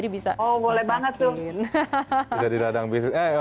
bisa di ladang bisnis